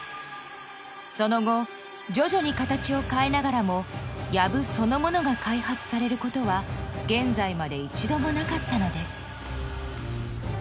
［その後徐々に形を変えながらもやぶそのものが開発されることは現在まで一度もなかったのです］